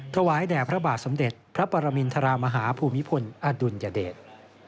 ถวายแด่พระบาทสมเด็จพระปรมินทรมาฮาภูมิพลอดุลยเดช